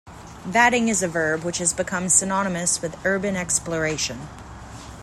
Vadding is a verb which has become synonymous with urban exploration.